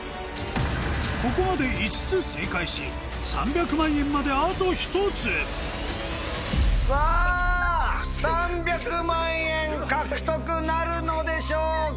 ここまで５つ正解し３００万円まであと１つさぁ３００万円獲得なるのでしょうか？